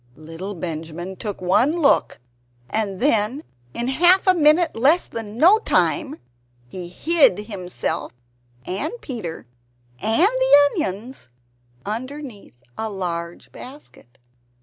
Little Benjamin took one look, and then, in half a minute less than no time, he hid himself and Peter and the onions underneath a large basket.